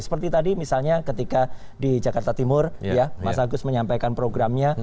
seperti tadi misalnya ketika di jakarta timur ya mas agus menyampaikan programnya